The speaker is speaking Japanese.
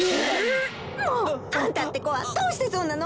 もうあんたってこはどうしてそうなの？